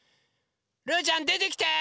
ルーちゃんでてきて！